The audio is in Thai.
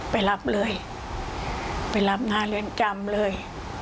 ไปรับเลยไปรับหน้าเรือนจำเลย